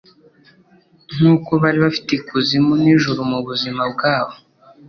Nkuko bari bafite ikuzimu n'ijuru mubuzima bwabo